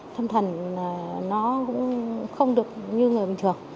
thâm thần nó cũng không được như người bình thường